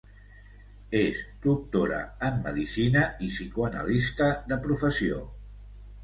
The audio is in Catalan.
És doctora en medicina i psicoanalista de professió.